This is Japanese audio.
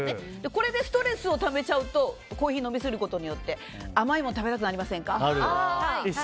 これでストレスをためちゃうとコーヒーを飲みすぎることによって甘いもの食べたくなりませんか？